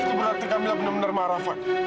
itu berarti kamila benar benar marah fad